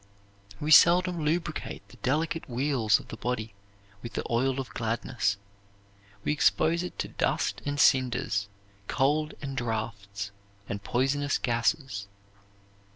We seldom lubricate the delicate wheels of the body with the oil of gladness. We expose it to dust and cinders, cold and draughts, and poisonous gases.